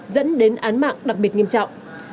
dẫn đến án mạng đặc biệt nghiêm trọng